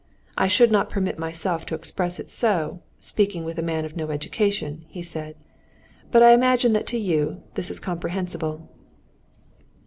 I should not permit myself to express it so, speaking with a man of no education," he said, "but I imagine that to you this is comprehensible."